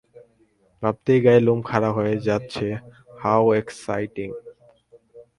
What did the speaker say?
ভাবতেই গায়ের লোম খাড়া হয়ে যাচ্ছে হাউ এক্সাইটিং।